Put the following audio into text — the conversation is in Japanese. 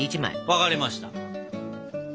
分かりました。